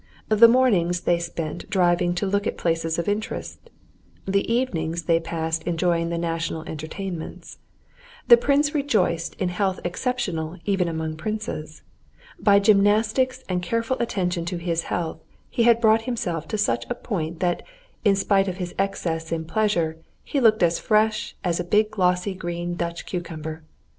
The mornings they spent driving to look at places of interest; the evenings they passed enjoying the national entertainments. The prince rejoiced in health exceptional even among princes. By gymnastics and careful attention to his health he had brought himself to such a point that in spite of his excess in pleasure he looked as fresh as a big glossy green Dutch cucumber.